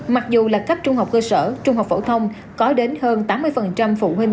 mặc dù là cấp trung học cơ sở trung học phổ thông có đến hơn tám mươi phụ huynh